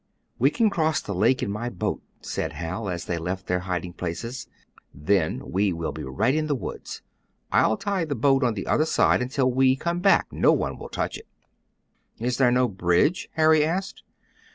"We can cross the lake in my boat," said Hal, as they left their hiding places. "Then, we will be right in the woods. I'll tie the boat on the other side until we come back; no one will touch it." "Is there no bridge?" Harry asked.